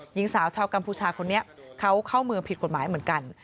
หญิงสาวชาวกัมพูชาคนนี้เขาเข้าเมืองผิดกฎหมายเหมือนกัน